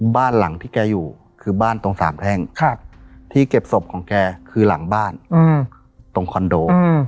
บ้านหลังที่แกอยู่คือบ้านตรงสามแท่งที่เก็บศพของแกคือหลังบ้านตรงคอนโด